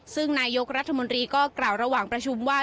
ซึ่งนายกรัฐมนตรีก็กล่าวระหว่างประชุมว่า